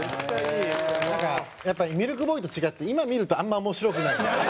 なんかやっぱりミルクボーイと違って今見るとあんま面白くないですね。